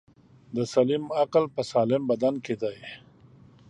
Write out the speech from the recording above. دسلیم عقل په سالم بدن کی دی.